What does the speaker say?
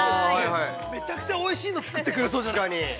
◆めちゃくちゃおいしいの作ってくれそうじゃない？◆確かに。